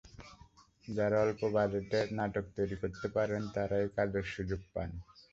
যাঁরা অল্প বাজেটে নাটক তৈরি করতে পারেন, তাঁরাই কাজের সুযোগ পান।